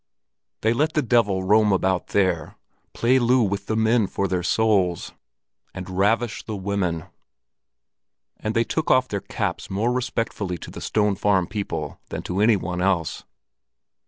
They let the devil roam about there, play loo with the men for their souls, and ravish the women; and they took off their caps more respectfully to the Stone Farm people than to any one else.